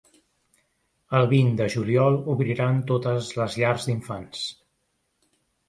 El vint de juliol obriran totes les llars d’infants.